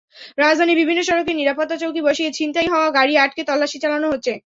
রাজধানীর বিভিন্ন সড়কে নিরাপত্তাচৌকি বসিয়ে ছিনতাই হওয়া গাড়ি আটকে তল্লাশি চালানো হচ্ছে।